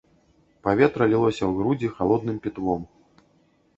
Паветра лілося ў грудзі халодным пітвом.